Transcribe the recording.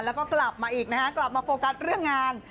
แล้วก็กลับมาอีกนะฮะกลับมาโฟกัสเรื่องงาน